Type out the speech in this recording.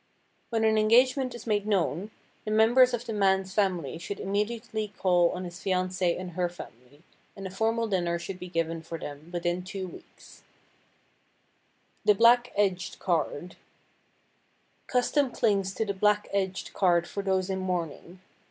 When an engagement is made known the members of the man's family should immediately call on his fiancée and her family, and a formal dinner should be given for them within two weeks. [Sidenote: THE BLACK EDGED CARD] Custom clings to the black edged card for those in mourning.